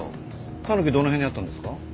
たぬきどの辺にあったんですか？